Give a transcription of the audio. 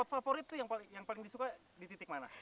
favorit tuh yang paling disuka di titik mana